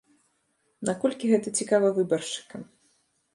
Наколькі гэта цікава выбаршчыкам?